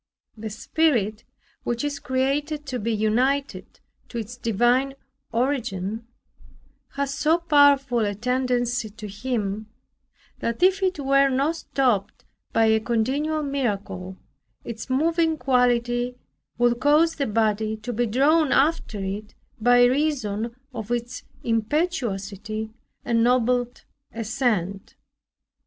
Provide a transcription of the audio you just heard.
The spirit which is created to be united to its divine Origin, has so powerful a tendency to Him, that if it were not stopped by a continual miracle, its moving quality would cause the body to be drawn after it by reason of its impetuosity and noble assent.